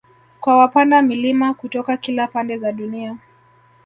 Kwa wapanda milima kutoka kila pande za dunia